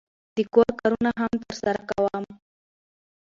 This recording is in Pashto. د کور کارونه هم ترسره کوم.